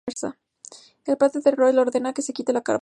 El padre de Boyd le ordena que se quite la ropa.